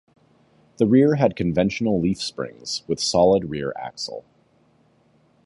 The rear had conventional leaf springs with solid rear axle.